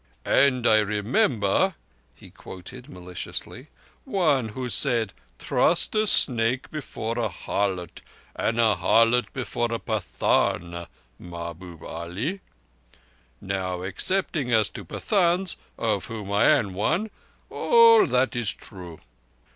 "And I remember," he quoted maliciously, "one who said, 'Trust a snake before an harlot, and an harlot before a Pathan, Mahbub Ali.' Now, excepting as to Pathans, of whom I am one, all that is true.